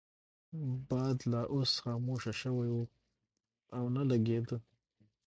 باد لا اوس خاموشه شوی وو او نه لګیده.